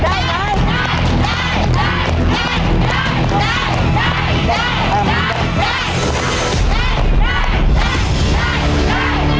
ได้ไหม